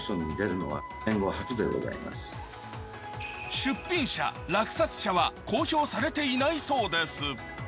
出品者・落札者は公表されていないそうです。